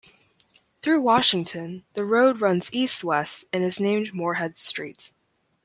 Through Washington, the road runs east-west and is named Morehead Street.